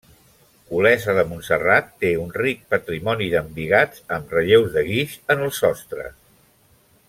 Olesa de Montserrat té un ric patrimoni d'embigats amb relleus de guix en els sostres.